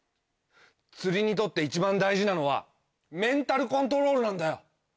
釣りにとって一番大事なのはメンタルコントロールなんだよ！